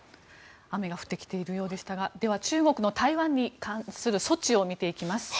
雨が降ってきているようでしたがでは中国の台湾に関する措置を見ていきます。